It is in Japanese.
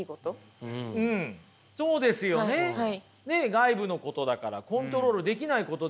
外部のことだからコントロールできないことですよね。